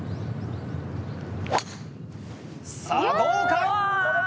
さあどうか？